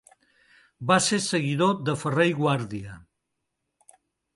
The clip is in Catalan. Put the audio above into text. Va ser seguidor de Ferrer i Guàrdia.